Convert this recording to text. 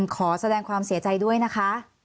ขอแสดงความเสียใจด้วยนะคะ